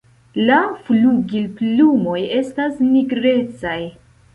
La flugilplumoj estas nigrecaj.